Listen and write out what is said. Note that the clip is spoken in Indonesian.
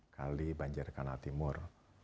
kali banjir kanal timur